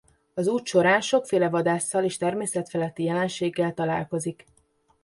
Az út során sokféle vadásszal és természetfeletti jelenséggel találkozik.